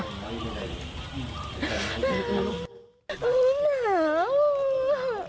น้ำ